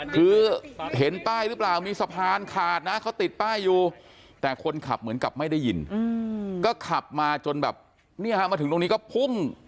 คือเห็นป้ายหรือเปล่ามีสะพานขาดนะเขาติดป้ายอยู่